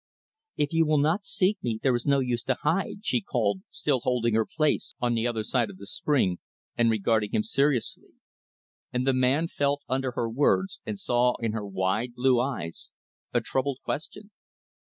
"If you will not seek me, there is no use to hide," she called, still holding her place on the other side of the spring, and regarding him seriously; and the man felt under her words, and saw in her wide, blue eyes a troubled question.